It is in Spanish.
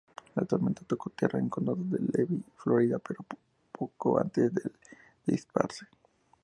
La tormenta tocó tierra en el condado de Levy, Florida, poco antes de disiparse.